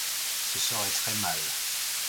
Ce serait très mal.